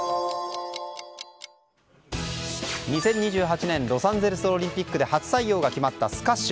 ２０２８年ロサンゼルスオリンピックで初採用が決まったスカッシュ。